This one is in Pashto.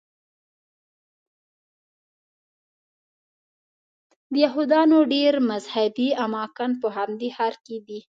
د یهودانو ډېر مذهبي اماکن په همدې ښار کې دي.